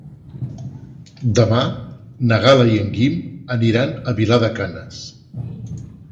Demà na Gal·la i en Guim aniran a Vilar de Canes.